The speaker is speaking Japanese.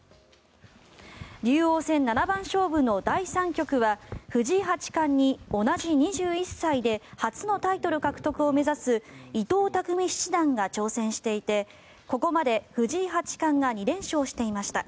竜王戦七番勝負の第３局は藤井八冠に同じ２１歳で初のタイトル獲得を目指す伊藤匠七段が挑戦していてここまで藤井八冠が２連勝していました。